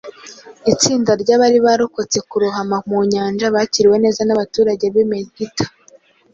Itsinda ry’abari barokotse kurohama mu nyanja bakiriwe neza n’abaturage b’i Melita.